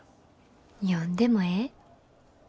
読んでもええ？